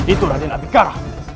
itu raden abikara